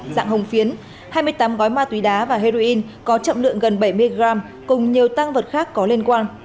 dạng hồng phiến hai mươi tám gói ma túy đá và heroin có trọng lượng gần bảy mươi gram cùng nhiều tăng vật khác có liên quan